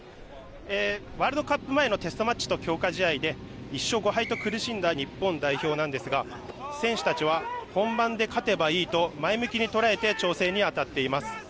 ワールドカップ前のテストマッチと強化試合で、１勝５敗と苦しんだ日本代表なんですが、選手たちは、本番で勝てばいいと、前向きに捉えて調整に当たっています。